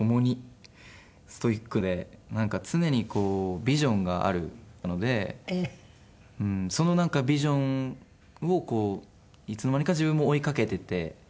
なんか常にこうビジョンがあるのでそのビジョンをいつの間にか自分も追いかけてて。